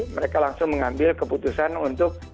mereka langsung mengambil keputusan untuk